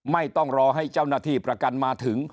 ไม่ต้องรอให้เจ้าหน้าที่ประกันมาถึง